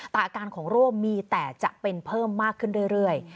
แต่อาการของโรคมีแต่จะเป็นเพิ่มมากขึ้นเรื่อย